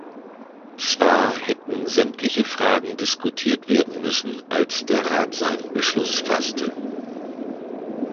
Zwar hätten sämtliche Fragen diskutiert werden müssen, als der Rat seinen Beschluss fasste.